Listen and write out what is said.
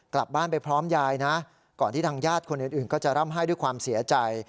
กลับบ้านไปพร้อมยายนะก่อนที่ทางญาติคนอื่นก็จะร่ำไห้ด้วยความเสียใจ